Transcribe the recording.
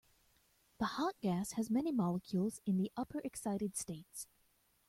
The hot gas has many molecules in the upper excited states.